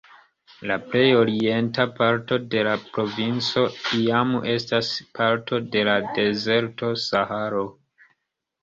La plej orienta parto de la provinco jam estas parto de la dezerto Saharo.